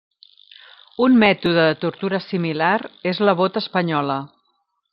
Un mètode de tortura similar és la bota espanyola.